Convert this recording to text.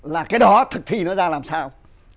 là cái đó thực thì nó ra làm sao